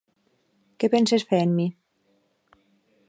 Què penses fer amb mi?